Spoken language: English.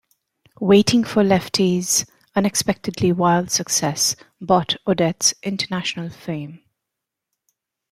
"Waiting for Lefty"'s unexpectedly wild success brought Odets international fame.